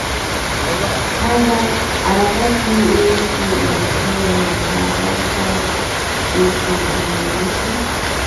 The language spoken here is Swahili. hara kati yetu inakuwa kwa haraka ukijumlisha